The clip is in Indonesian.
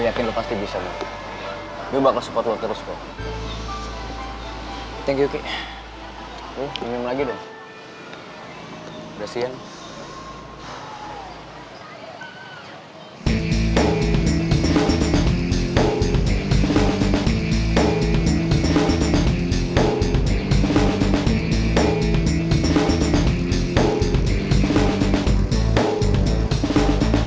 tapi lo pasti bakal seru ya gimana caranya gue bisa nganggep raya itu sebagai saudara gue nantinya